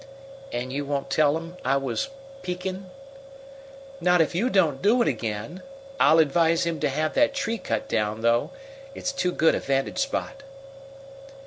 "And you won't tell him I was peekin'?" "Not if you don't do it again. I'll advise him to have that tree cut down, though. It's too good a vantage spot."